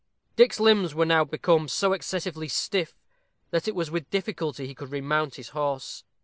Dick's limbs were now become so excessively stiff, that it was with difficulty he could remount his horse.